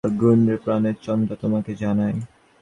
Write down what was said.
"শুন রে প্রাণের চন্দ্রা তোমারে জানাই।